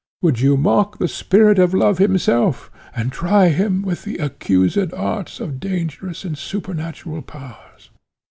Would you mock the spirit of love himself, and try him with the accursed arts of dangerous and supernatural powers?"